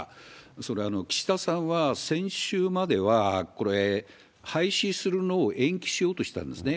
それ、岸田さんは、先週まではこれ、廃止するのを延期しようとしてたんですね。